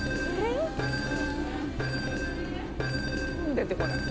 出てこない。